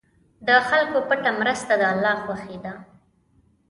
د خلکو پټه مرسته د الله خوښي ده.